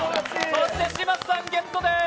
そして嶋佐さんゲットです。